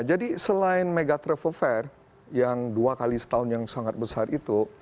jadi selain mega travel fair yang dua kali setahun yang sangat besar itu